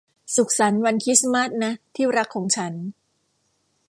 สุขสันต์วันคริสต์มาสนะที่รักของฉัน